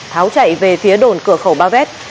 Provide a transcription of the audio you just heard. tháo chạy về phía đồn cửa khẩu ba vét